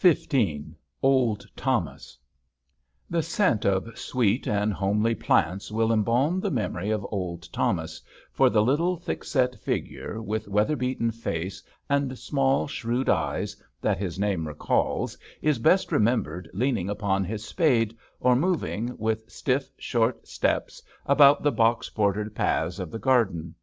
6i XV OLD THOMAS The scent of sweet and homely plants will embalm the memory of old Thomas, for the little, thick set figure, with weather beaten face and small, shrewd eyes, that his name recalls, is best remembered leaning upon his spade, or moving, with stiff, short steps, about the box bordered paths of the garden.